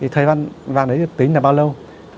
thời gian vàng đấy tính là bao lâu